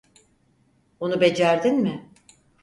Onu becerdin mi?